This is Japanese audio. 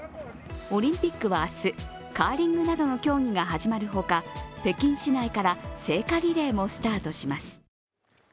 オリンピックは明日、カーリングなどの競技が始まるほか、北京市内から聖火リレーもスタートします。